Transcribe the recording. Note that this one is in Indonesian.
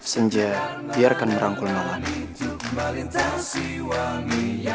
senja biarkan merangkul malam